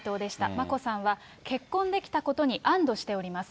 眞子さんは、結婚できたことに安どしております。